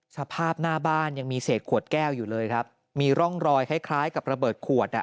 สภาพหน้าบ้านยังมีเศษขวดแก้วอยู่เลยครับมีร่องรอยคล้ายคล้ายกับระเบิดขวดอ่ะ